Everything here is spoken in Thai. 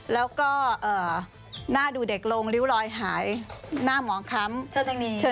แล้วก็หน้าดูเด็กลงริ้วรอยหายหน้าหมองค้ำเชิญทางนี้